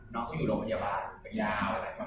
น้องก็อยู่โรงพยาบาล